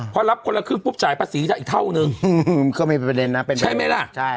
เพราะรับคนละครึ่งปุ๊บจ่ายภาษีจากอีกเท่านึงก็มีประเด็นนะใช่มั้ยล่ะ